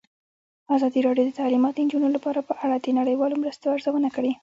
ازادي راډیو د تعلیمات د نجونو لپاره په اړه د نړیوالو مرستو ارزونه کړې.